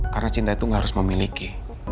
karena cinta itu gak harus memiliki